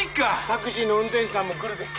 タクシーの運転手さんもグルです。